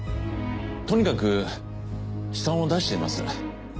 とにかく試算を出してみます。